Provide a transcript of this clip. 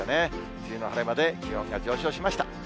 梅雨の晴れ間で気温が上昇しました。